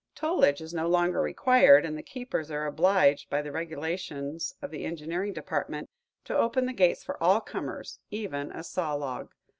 Tollage is no longer required, and the keepers are obliged by the regulations of the engineering department to open the gates for all comers, even a saw log.